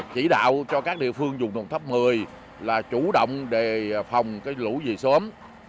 chỉ đạo cho các địa phương dùng nguồn thấp một mươi là chủ động để phòng lũ dì xóm